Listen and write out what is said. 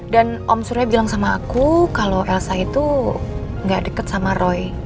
dan om surya bilang sama aku kalau elsa itu nggak deket sama roy